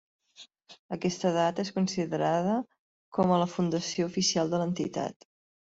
Aquesta data és considerada com a la fundació oficial de l'entitat.